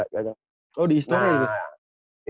oh di istora ya